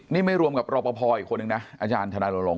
นี่ไม่รวมกับรอปภอีกคนนึงนะอาจารย์ธนายโรง